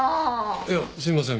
いやすいません。